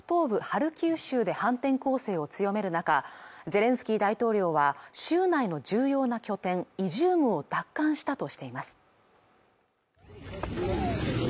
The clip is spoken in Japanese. ハルキウ州で反転攻勢を強める中ゼレンスキー大統領は州内の重要な拠点イジュームを奪還したとしています